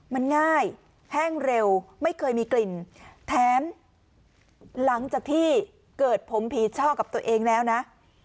มันง่ายแห้งเร็วไม่เคยมีกลิ่นแถมหลังจากที่เกิดผมผีช่อกับตัวเองแล้วนะ